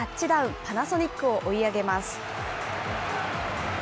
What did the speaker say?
パナソニックを追い上げます。